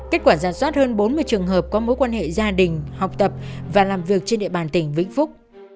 kết quả giả soát hơn bốn mươi trường hợp có mối quan hệ gia đình học tập và làm việc trên địa bàn tỉnh vĩnh phúc